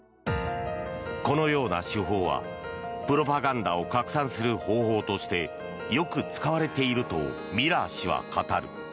このような手法はプロパガンダを拡散する方法としてよく使われているとミラー氏は語る。